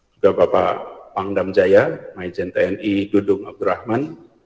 juga bapak pangdam jaya majen tni dudung abdurrahman